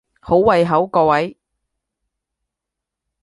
好胃口各位！